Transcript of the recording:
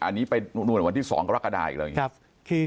อันนี้นุ่นไหววันที่๒ก็ลักกะดาอีกแล้ว